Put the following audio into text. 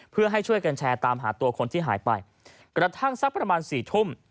เพื่อให้ช่วยกันแชร์ตามหาตัวคนที่หายไปกระทั่งสักประมาณสี่ทุ่ม